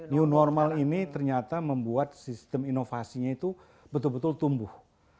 new normal ini ternyata membuat sistem inovasinya itu betul betul tumbuh